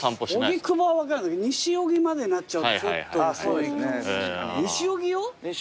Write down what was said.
荻窪は分かるんだけど西荻までになっちゃうとちょっと疎い西荻よ？